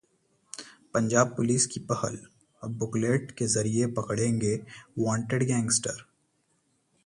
Punjab police की पहल, अब बुकलेट के जरिए पकड़ेंगे वांटेड गैंगस्टर